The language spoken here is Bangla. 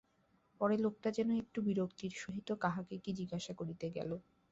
পরে লোকটা যেন একটু বিরক্তির সহিত কাহাকে কি জিজ্ঞাসা করিতে গেল।